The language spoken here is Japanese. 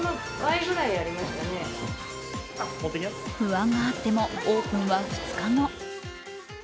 不安があってもオープンは２日後。